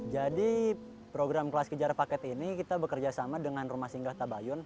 jadi program kejar paket ini kita bekerja sama dengan rumah singgah tabayun